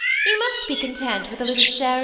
You must be content with a little share of me.